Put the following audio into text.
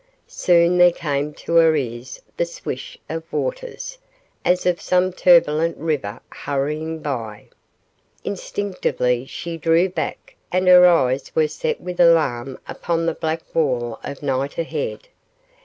Soon there came to her ears the swish of waters, as of some turbulent river hurrying by. Instinctively she drew back and her eyes were set with alarm upon the black wall of night ahead.